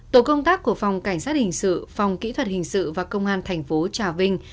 tổ công tác của phòng cảnh sát hình sự phòng kỹ thuật hình sự và công an thành phố trà vinh